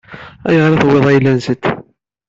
Ayɣer i tewwiḍ ayla-nsent?